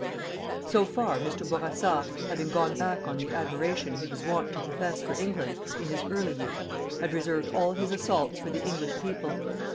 So far, Mr. Bourassa, having gone back on the admiration he was wont to profess for England, in his early youth, had reserved all his assaults for the English people.